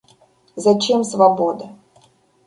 Зачем свобода?